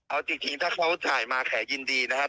เอาจริงถ้าเขาถ่ายมาแขกยินดีนะครับ